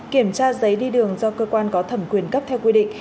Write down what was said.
kiểm tra giấy đi đường do cơ quan có thẩm quyền cấp theo quy định